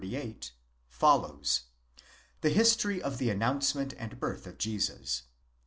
23 38) follows, the history of the announcement and birth of Jesus.